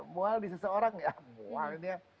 mual di seseorang ya mual dia